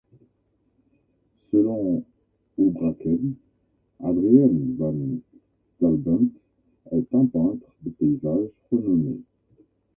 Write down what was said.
Selon Houbraken, Adriaen van Stalbemt est un peintre de paysage renommé.